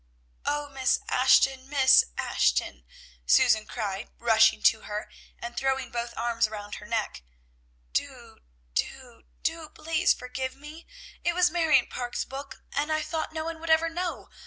"O Miss Ashton! Miss Ashton!" Susan cried, rushing to her, and throwing both arms around her neck. "Do, do, do, please forgive me? It was Marion Parke's book, and I thought no one would ever know.